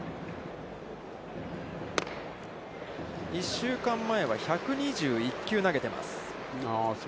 １週間前は１２１球、投げています。